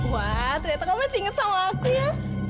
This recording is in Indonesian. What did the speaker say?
wah ternyata kamu masih ingat sama aku ya